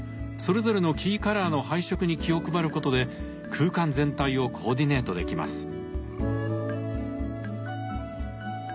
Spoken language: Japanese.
それぞれのキーカラーの配色に気を配ることで空間全体をコーディネートできます。